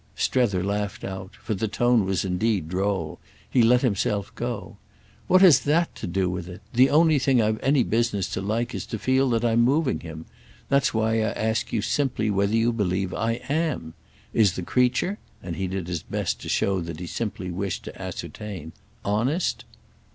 Strether laughed out—for the tone was indeed droll; he let himself go. "What has that to do with it? The only thing I've any business to like is to feel that I'm moving him. That's why I ask you whether you believe I am? Is the creature"—and he did his best to show that he simply wished to ascertain—"honest?"